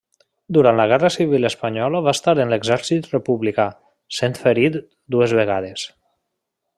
Durant la guerra civil espanyola va estar en l'exèrcit republicà, sent ferit dues vegades.